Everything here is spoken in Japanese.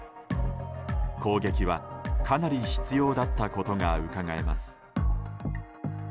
攻撃は、かなり執拗だったことがうかがえます。